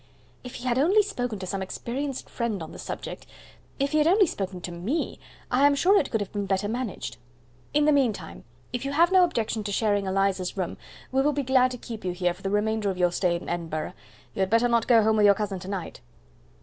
"If he had only spoken to some experienced friend on the subject if he had only spoken to ME I am sure it could have been better managed. In the meantime, if you have no objection to sharing Eliza's room, we will be glad to keep you here for the remainder of your stay in Edinburgh. You had better not go home with your cousin to night."